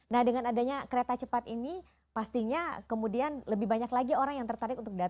nah dengan adanya kereta cepat ini pastinya kemudian lebih banyak lagi orang yang tertarik untuk datang